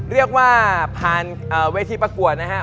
เรียกว่าผ่านเวทีประกวดนะฮะ